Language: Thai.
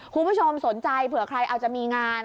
คุณผู้ชมสนใจเผื่อใครเอาจะมีงาน